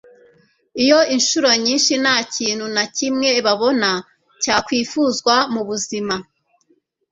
iyo inshuro nyinshi nta kintu na kimwe babona cyakwifuzwa mu buzima